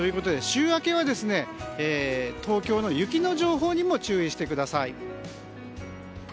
週明けは東京の雪の情報にも注意してください。